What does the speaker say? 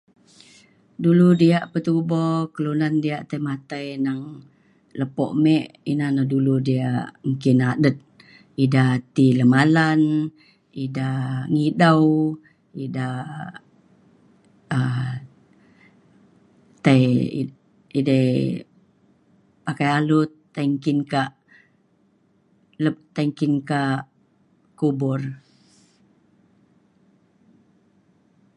dulu diak petubo kelunan diak tai matai neng lepo me ina na dulu diak nggin adet ida ti lemalan ida ngidau ida um tai i- edei pakai alut tei nggin kak le- tai nggin kak kubur.